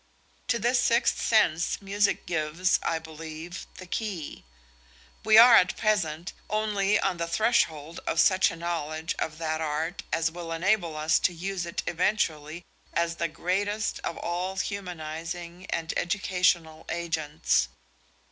To this sixth sense music gives, I believe, the key. We are at present only on the threshold of such a knowledge of that art as will enable us to use it eventually as the greatest of all humanising and educational agents.